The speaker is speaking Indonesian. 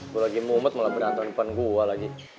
gue lagi mumet malah berantem depan gue lagi